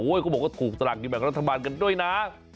โอ้โฮเขาบอกว่าถูกสลักอยู่แบบรัฐบาลกันด้วยนะ